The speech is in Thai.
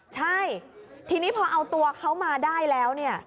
ใช่ทีนี้พอเอาตัวเขามาได้แล้วเนี่ย